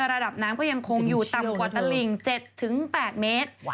ระดับน้ำก็ยังคงอยู่ต่ำกว่าตลิ่ง๗๘เมตร